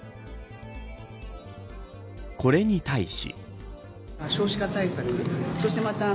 これに対し。